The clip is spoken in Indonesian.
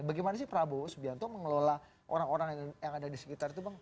bagaimana sih prabowo subianto mengelola orang orang yang ada di sekitar itu bang